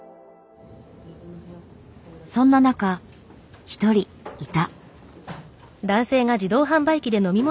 そんな中１人いた。